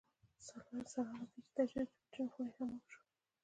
سره له دې تجزیه شوه او د ویرجن خوني حمام شوه.